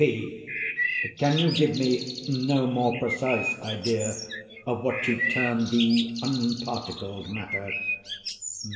P. Can you give me no more precise idea of what you term the unparticled matter?